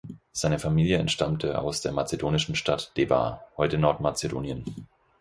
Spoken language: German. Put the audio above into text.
Seine Familie entstammte aus der mazedonischen Stadt Debar (heute Nordmazedonien).